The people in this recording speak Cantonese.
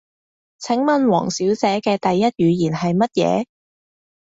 請問王小姐嘅第一語言係乜嘢？